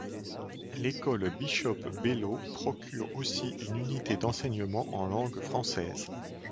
L'École Bishop Belleau procure aussi une Unité d'enseignement en langue française.